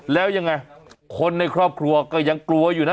แล้วยังไงคนในครอบครัวก็ยังกลัวอยู่นะ